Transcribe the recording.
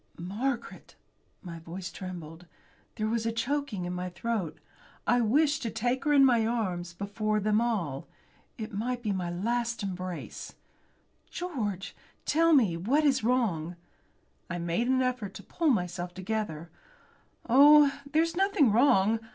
"Margaret!" My voice trembled. There was a choking in my throat. I wished to take her in my arms before them all. It might be a last embrace. "George, tell me, what is wrong?" I made an effort to pull myself together. "Oh! there's nothing wrong.